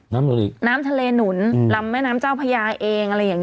น้ำทะเลหนุนรำแม้น้ำเจ้าพระยาเอ็ง